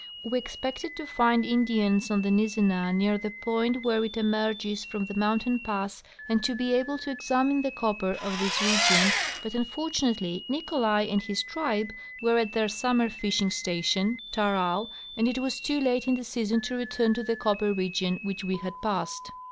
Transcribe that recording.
We expected to find Indians on the Nizzenah near the point where it emerges from the mountain pass and to be able to examine the copper of this region, but unfortunately Nicolai and his tribe Avere at their summer fishing station, Taral, and it was too late in the season to return to the copper region which we had passed.